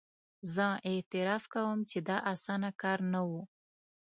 زه اعتراف کوم چې دا اسانه کار نه وو.